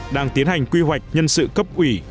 đang tiến hành quy hoạch nhân sự cấp ủy